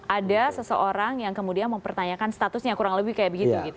ada seseorang yang kemudian mempertanyakan statusnya kurang lebih kayak begitu